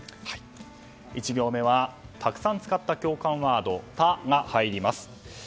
１行目は、たくさん使った共感ワード、「タ」が入ります。